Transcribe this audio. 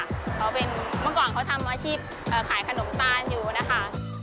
เขาเป็นเมื่อก่อนเขาทำอาชีพขายขนมตาลอยู่นะคะ